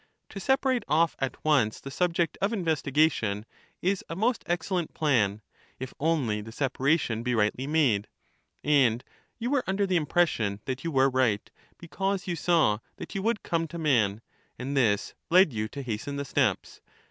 To separate off at once the inter subject of investigation, is a most excellent plan, if only the mediate separation be rightly made ; and you were under the impres ha^'g only sion that you were right, because you saw that you would cutoflfone come to man; and this led you to hasten the steps.